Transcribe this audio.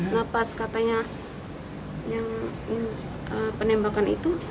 napas katanya penembakan itu